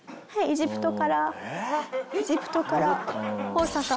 エジプトから大阪。